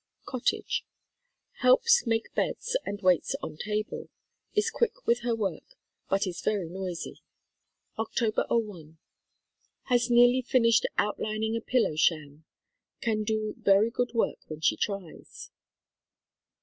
COTTAGE. Helps make beds and waits on table, is quick with her work, but is very noisy. 4 THE KALLIKAK FAMILY Oct. 'oi. Has nearly finished outlining a pillow sham. Can do very good work when she tries.